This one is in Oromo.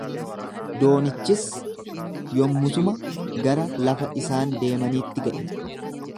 Doonichis yommusuma gara lafa isaan deemaniitti ga’e.